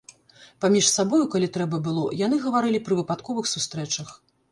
Паміж сабою, калі трэба было, яны гаварылі пры выпадковых сустрэчах.